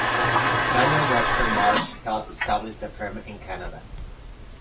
Daniel Webster Marsh helped establish the firm in Canada.